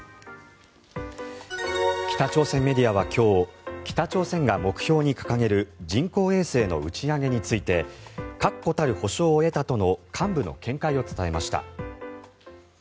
北朝鮮メディアは今日北朝鮮が目標に掲げる人工衛星の打ち上げについて確固たる保証を得たとの幹部の見解を伝えました。